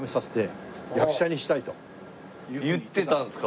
言ってたんですか。